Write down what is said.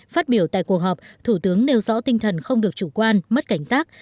phát biểu tại cuộc họp thủ tướng nêu rõ tinh thần không được chủ quan mất cảnh giác